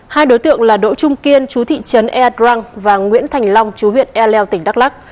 hai đối tượng là đỗ trung kiên chú thị trấn eadrang và nguyễn thành long chú huyện eleo tỉnh đắk lắc